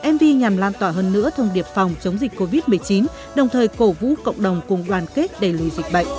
mv nhằm lan tỏa hơn nữa thông điệp phòng chống dịch covid một mươi chín đồng thời cổ vũ cộng đồng cùng đoàn kết đẩy lùi dịch bệnh